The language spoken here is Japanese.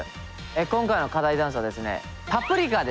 今回の課題ダンスはですね「パプリカ」です。